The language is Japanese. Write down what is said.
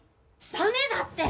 ダメだって！